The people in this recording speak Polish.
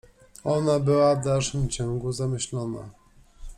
Ona była w dalszym ciągu zamyślona.